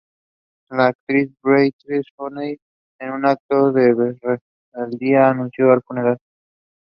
It grows on bark covered in mats of bryophytes.